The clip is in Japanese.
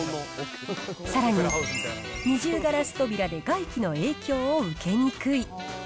さらに、二重ガラス扉で外気の影響を受けにくい。